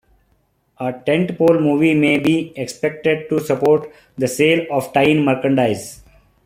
A tent-pole movie may be expected to support the sale of tie-in merchandise.